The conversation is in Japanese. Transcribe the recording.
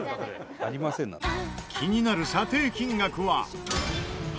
気になる査定金額は。